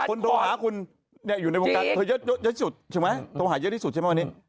โทรหาคุณอยู่ในวงการเธอเยอะสุดใช่ไหมโทรหาเยอะที่สุดใช่ไหมวันนี้